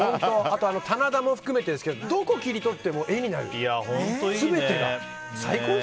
あと棚田を含めてですけどどこを切り取っても絵になる全てが。